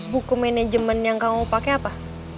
buku manajemen yang kamu pakai apa